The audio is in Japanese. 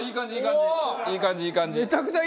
いい感じいい感じ！